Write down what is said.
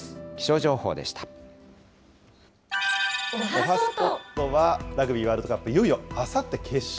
おはＳＰＯＴは、ラグビーワールドカップ、いよいよあさって決勝。